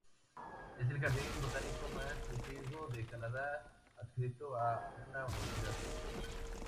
Es el jardín botánico más antiguo de Canadá adscrito a una universidad.